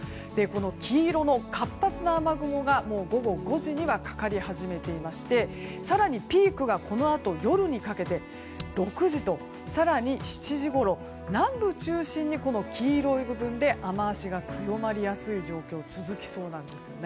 黄色の活発な雨雲が午後５時にはかかり始めていまして更にピークがこのあと夜にかけて６時と、更に７時ごろ南部中心に黄色い部分で雨脚が強まりやすい状況が続きそうです。